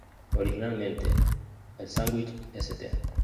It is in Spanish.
Originalmente, el sándwich St.